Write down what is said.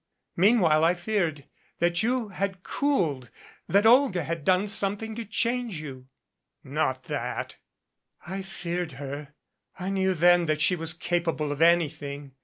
Meanwhile, I feared that you had cooled that Olga had done some thing to change you " "Not that" "I feared her. I knew then that she was capable of anything.